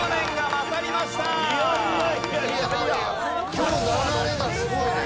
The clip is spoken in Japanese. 今日流れがすごいね。